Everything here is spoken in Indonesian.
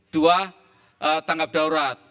dua tanggap daurat